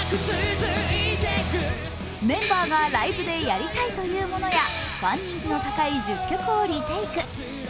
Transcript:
メンバーがライブでやりたいというものやファン人気の高い１０曲をリテイク。